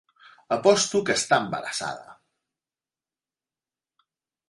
Aposto que està embarassada!